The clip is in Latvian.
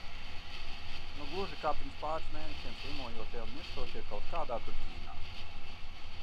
Nu gluži kā pirms pāris mēnešiem slimojošie un mirstošie kaut kādā tur Ķīnā.